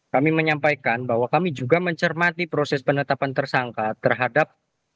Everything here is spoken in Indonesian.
kami menyampaikan bahwa kami juga mencermati proses penetapan tersangka terhadap